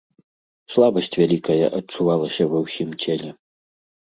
Слабасць вялікая адчувалася ва ўсім целе.